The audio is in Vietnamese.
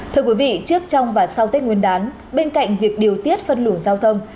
thưa quý vị trước trong và sau tết nguyên đán bên cạnh việc điều tiết phân luồng giao thông